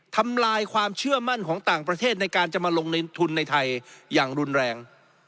ทำลายความเชื่อมั่นของต่างประเทศในการจะมาลงทุนในไทยอย่างรุนแรง